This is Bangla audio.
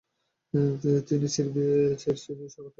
তিনি ছিররিউ সাকতী নামে বিখ্যাত।